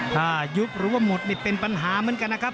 ถ้ายุบหรือว่าหมดนี่เป็นปัญหาเหมือนกันนะครับ